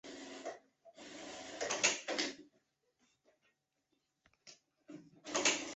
二甲基甲醯胺是利用甲酸和二甲基胺制造的。